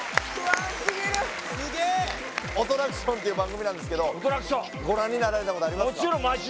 すげえ「オトラクション」っていう番組なんですけどご覧になられたことありますか？